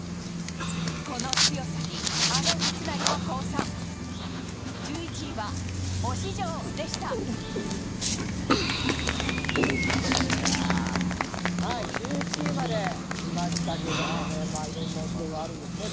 この強さに、あの三成も降参１１位は、忍城でした１１位まできましたけどいろんなお城があるんですね